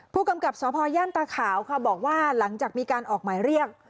ผู้กำกับสพย่านตาขาวค่ะบอกว่าหลังจากมีการออกหมายเรียก